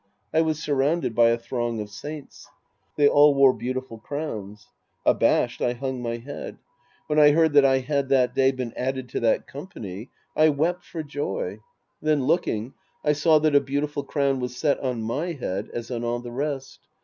I was surrounded by a throng of saints. They all wore beautiful crowns. Abashed, I hung my head. When I heard that I had that day been added to that company, I wept for joy. Then looking, I saw that a beautiful crown was set on my head as on the rest.